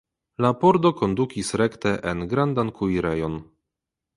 La pordo kondukis rekte en grandan kuirejon.